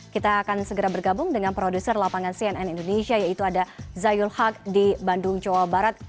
kita akan segera bergabung dengan produser lapangan cnn indonesia yaitu ada zayul haq di bandung jawa barat